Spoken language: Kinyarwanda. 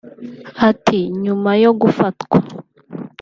Ati “Nyuma yo gufatwa